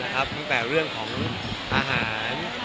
ตั้งแต่เรื่องของอาหาร